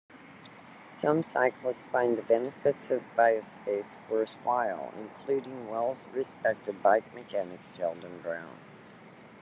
Some cyclists find the benefits of Biopace worthwhile, including well-respected bike mechanic Sheldon Brown.